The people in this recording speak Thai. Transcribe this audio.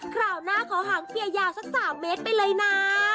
คราวหน้าขอหางเกียร์ยาวสัก๓เมตรไปเลยนะ